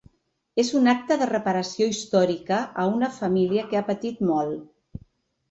És un acte de reparació històrica a una família que ha patit molt.